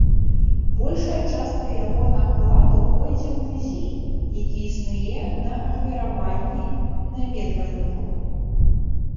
Большая частка яго накладу пойдзе ў музей, які існуе на ахвяраванні наведвальнікаў.